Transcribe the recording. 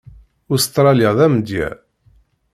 Ustṛalya d amedya.